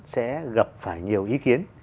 sẽ gặp phải nhiều ý kiến